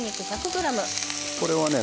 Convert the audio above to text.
これはね